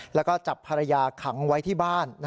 แล้วก็จับภรรยาขังไว้ที่บ้าน